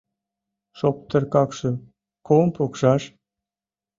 - Шоптыр какшым ком пукшаш?